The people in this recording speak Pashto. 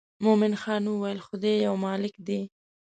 مومن خان وویل خدای یو مالک دی.